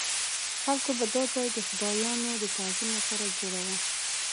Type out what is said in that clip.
خلکو به دا ځای د خدایانو د تعظیم لپاره جوړاوه.